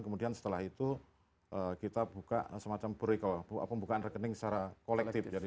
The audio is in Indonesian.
kemudian setelah itu kita buka semacam pembukaan rekening secara kolektif